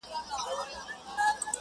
د پردیو په کوڅه کي ارمانونه ښخومه-